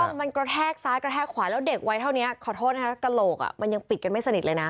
มันกระแทกซ้ายกระแทกขวาแล้วเด็กวัยเท่านี้ขอโทษนะคะกระโหลกมันยังปิดกันไม่สนิทเลยนะ